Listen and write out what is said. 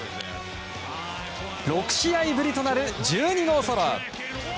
６試合ぶりとなる１２号ソロ。